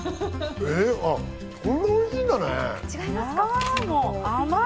こんなおいしいんだね。